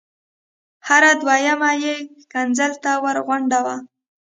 هره دویمه یې ښکنځل ته ورته غوندې وه.